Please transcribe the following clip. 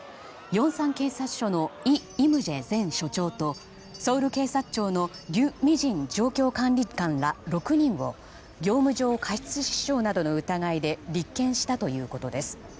ヨンサン警察署のイ・イムジェ前署長とソウル警察庁のリュ・ミジン状況管理官ら６人を、業務上過失致死傷などの疑いで立件したということです。